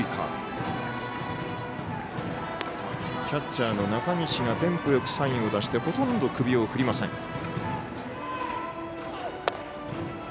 キャッチャーの中西がテンポ良くサインを出してほとんど首を振りません。